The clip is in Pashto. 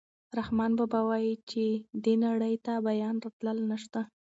رحمان بابا وايي چې دې نړۍ ته بیا راتلل نشته.